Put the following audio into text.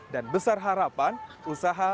dan besar harapan usaha